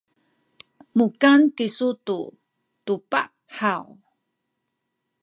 mukan kisu tu tubah haw?